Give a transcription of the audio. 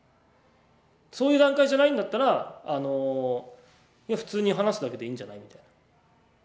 そういう段階じゃないんだったら普通に話すだけでいいんじゃないみたいな。